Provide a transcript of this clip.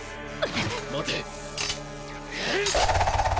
待て！